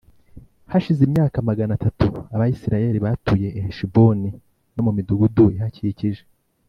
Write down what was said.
hashize imyaka magana atatu Abisirayeli batuye i Heshiboni no mu midugudu ihakikije